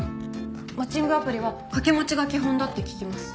マッチングアプリはかけ持ちが基本だって聞きます。